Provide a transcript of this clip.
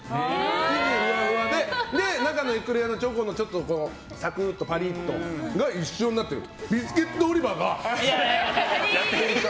生地がふわふわで中のエクレアのチョコのサクッとパリッとが一緒になってる。